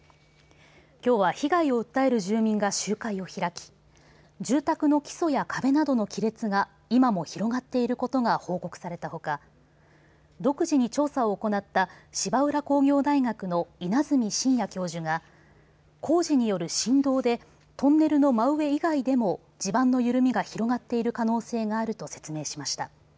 きょうは被害を訴える住民が集会を開き住宅の基礎や壁などの亀裂が今も広がっていることが報告されたほか独自に調査を行った芝浦工業大学の稲積真哉教授が工事による振動でトンネルの真上以外でも地盤の緩みが広がっている可能性があると説明しました。